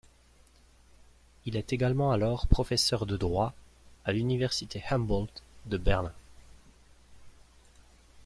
Il est également alors professeur de droit à l'université Humboldt de Berlin.